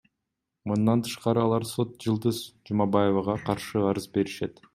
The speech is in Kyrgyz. Мындан тышкары алар сот Жылдыз Жумабаевага каршы арыз беришет.